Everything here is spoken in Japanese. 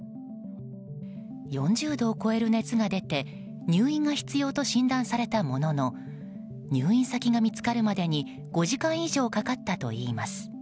４０度を超える熱が出て入院が必要と診断されたものの入院先が見つかるまでに５時間以上かかったといいます。